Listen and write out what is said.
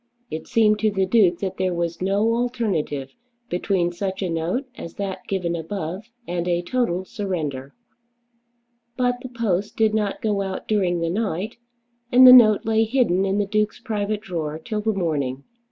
It seemed to the Duke that there was no alternative between such a note as that given above and a total surrender. But the post did not go out during the night, and the note lay hidden in the Duke's private drawer till the morning.